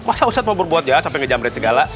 masa ustadz mau berbuat jalan sampai ngejamret segala